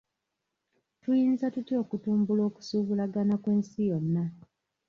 Tuyinza tutya okutumbula okusuubulagana kw'ensi yonna.